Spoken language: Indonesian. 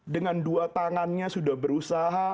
dengan dua tangannya sudah berusaha